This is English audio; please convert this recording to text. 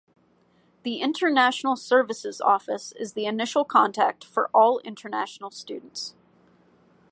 The International Services Office is the initial contact for all international students.